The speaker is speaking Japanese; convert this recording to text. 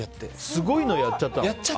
すごいのやっちゃったんだ。